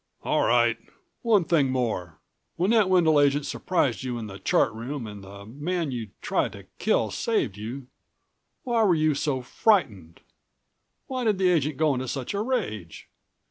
"All right. One thing more. When that Wendel agent surprised you in the chart room and the man you'd tried to kill saved you ... why were you so frightened? Why did the agent go into such a rage?